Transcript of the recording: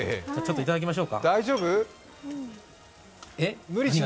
いただきましょう。